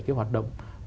cái hoạt động